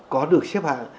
có được xếp hạng